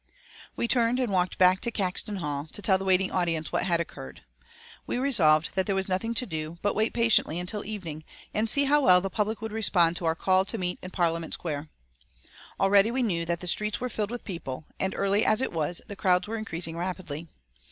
We turned and walked back to Caxton Hall, to tell the waiting audience what had occurred. We resolved that there was nothing to do but wait patiently until evening, and see how well the public would respond to our call to meet in Parliament Square. Already we knew that the streets were filled with people, and early as it was the crowds were increasing rapidly.